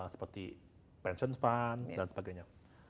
seperti pension fund dan sebagainya